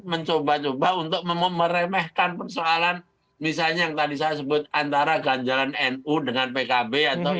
mencoba coba untuk memeremehkan persoalan misalnya yang tadi saya sebut antara ganjalan nu dengan pkb atau